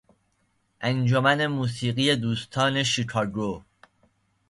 انجمن موسیقی دوستان شیکاگو